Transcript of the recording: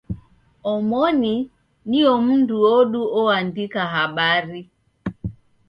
Omoni nio mndu odu oandika habari.